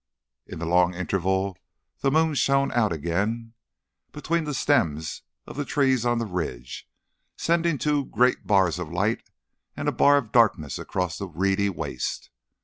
In the long interval the moon shone out again, between the stems of the trees on the ridge, sending two great bars of light and a bar of darkness across the reedy waste.